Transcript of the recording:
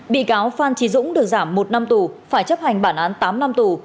bị cáo phan trí dũng được giảm một năm tù phải chấp hành bản án tám năm tù